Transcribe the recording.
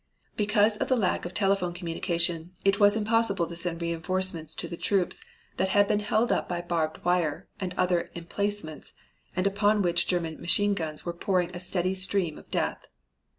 Because of the lack of telephone communication it was impossible to send reinforcements to the troops that had been held up by barbed wire and other emplacements and upon which German machine guns were pouring a steady stream of death.